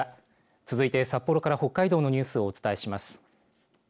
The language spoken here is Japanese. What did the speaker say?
続いて札幌から北海道のニュースをお伝えします。